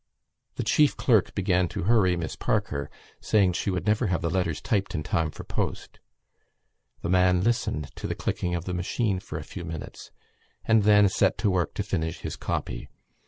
The chief clerk began to hurry Miss Parker, saying she would never have the letters typed in time for post. The man listened to the clicking of the machine for a few minutes and then set to work to finish his copy.